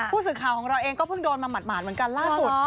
ผู้สื่อข่าวของเราเองก็เพิ่งโดนมาหมาดเหมือนกันล่าสุด